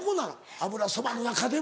油そばの中でも。